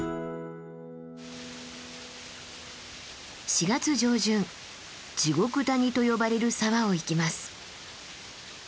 ４月上旬地獄谷と呼ばれる沢を行きます。